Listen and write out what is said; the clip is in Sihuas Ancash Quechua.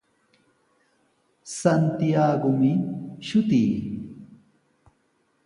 Santiagomi shutii.